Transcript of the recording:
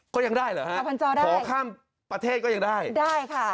ก็ยังได้เหรอฮะห้าพันจอได้ขอข้ามประเทศก็ยังได้ได้ค่ะ